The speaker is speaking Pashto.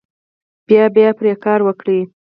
بیا بیا پرې کار وکړئ.